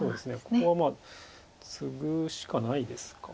ここはツグしかないですか。